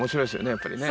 やっぱりね。